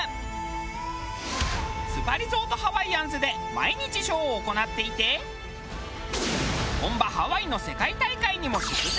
スパリゾートハワイアンズで毎日ショーを行っていて本場ハワイの世界大会にも出場。